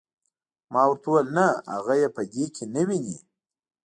ما ورته وویل نه هغه یې په دې کې نه ویني.